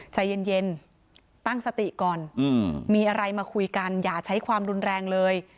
ใจเย็นตั้งสติก่อนมีอะไรมาคุยกันอย่าใช้ความรุนแรงเลย